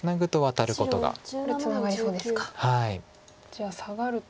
じゃあサガると。